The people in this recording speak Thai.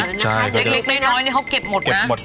เล็กน้อยนี่เขาเก็บหมดนะ